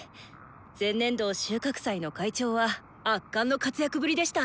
前年度収穫祭の会長は圧巻の活躍ぶりでした！